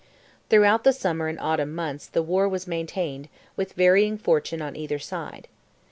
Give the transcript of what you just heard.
Throughout the summer and autumn months the war was maintained, with varying fortune on either side.